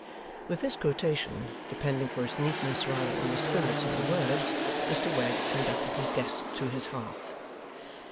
With this quotation (depending for its neatness rather on the spirit than the words), Mr Wegg conducted his guest to his hearth.